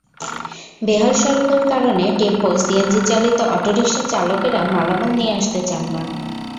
বেহাল সড়কের কারণে টেম্পো, সিএনজিচালিত অটোরিকশার চালকেরা মালামাল নিয়ে আসতে চান না।